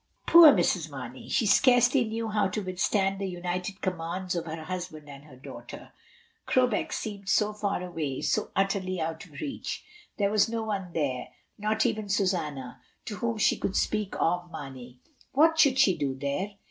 ..." Poor Mrs. Marney! she scarcely knew how to withstand the united commands of her husband and WAR AND RUMOUR OF WAR. 1 49 her daughter. Crowbeck seemed so far away, so utterly out of reach. There was no one there, not even Susanna, to whom she could speak of Mamey. What should she do there?